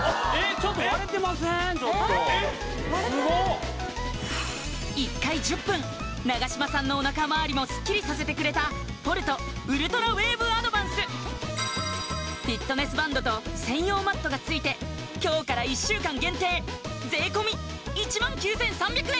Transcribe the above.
ちょっとええ割れてるすごっ１回１０分永島さんのおなかまわりもスッキリさせてくれたポルトウルトラウェーブアドバンスフィットネスバンドと専用マットが付いて今日から１週間限定税込１９３００円